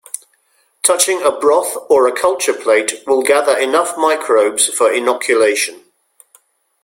Touching a broth or a culture plate will gather enough microbes for inoculation.